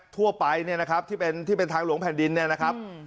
ทั่วไปเนี่ยนะครับที่เป็นที่เป็นทางหลวงแผ่นดินเนี่ยนะครับ